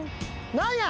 何や！？